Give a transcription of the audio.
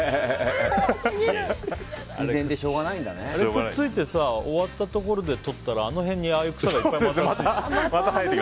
くっついて終わったところでとったらあの辺にああいう草がいっぱい。